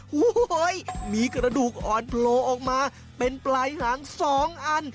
โหเฮ้ยมีกระดูกออนโพรออกมาเป็นปลายหาง๒อัน